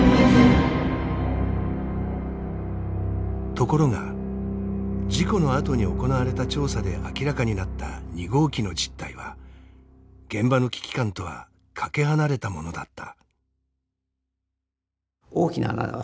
ところが事故のあとに行われた調査で明らかになった２号機の実態は現場の危機感とはかけ離れたものだった。